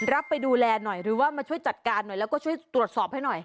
ไปดูแลหน่อยหรือว่ามาช่วยจัดการหน่อยแล้วก็ช่วยตรวจสอบให้หน่อย